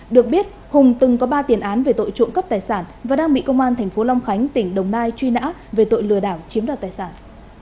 được biết hùng từng có ba tiền án về tội trộm cắp tài sản và đang bị công an tp long khánh tỉnh đồng nai truy nã về tội lừa đảo chiếm đoạt tài sản